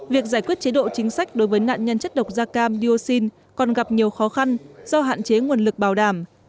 việc giải quyết chế độ chính sách đối với nạn nhân chất độc da cam dioxin còn gặp nhiều khó khăn do hạn chế nguồn lực bảo đảm